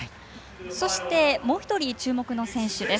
そして、もう１人注目の選手です。